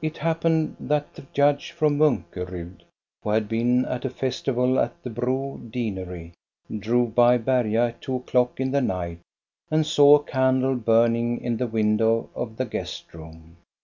It happened that the judge from Munkerud, who had been at a festival at the Bro deanery, drove by 368 THE STORY OF COSTA Berga at two o'clock in the night and saw a candle burning in the window of the gnest room.